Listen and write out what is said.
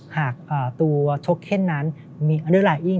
หากตัวโทเคนนั้นมีอันด้วยลายอิง